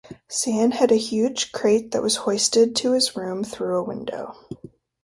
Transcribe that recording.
Zann had a huge crate that was hoisted to his room through a window.